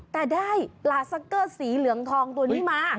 แต่ได้ปลาซักเกอร์สีเหลืองทองตัวนี้มา